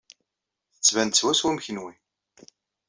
Tettban-d swaswa am kenwi.